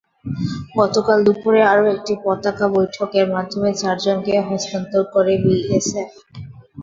গতকাল দুপুরে আরও একটি পতাকা বৈঠকের মাধ্যমে চারজনকে হস্তান্তর করে বিএসএফ।